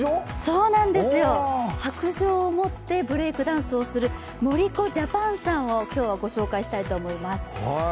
そうなんですよ、白杖を持ってブレイクダンスをするＭＯＲＩＫＯＪＡＰＡＮさんを今日はご紹介したいと思います。